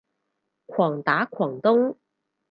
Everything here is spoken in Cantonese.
狂打狂咚